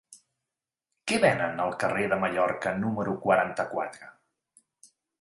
Què venen al carrer de Mallorca número quaranta-quatre?